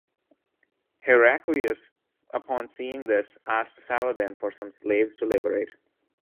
Heraclius upon seeing this asked Saladin for some slaves to liberate.